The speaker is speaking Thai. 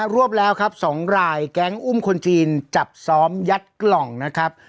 วบแล้วครับ๒รายแก๊งอุ้มคนจีนจับซ้อมยัดกล่องนะครับ